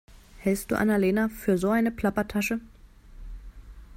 Hältst du Anna-Lena für so eine Plappertasche?